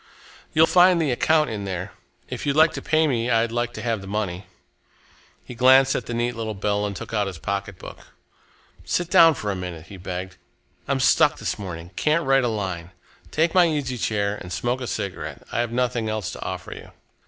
You'll find the account in there. If you'd like to pay me, I'd like to have the money." He glanced at the neat little bill and took out his pocketbook. "Sit down for a minute," he begged. "I'm stuck this morning can't write a line. Take my easy chair and smoke a cigarette I have nothing else to offer you."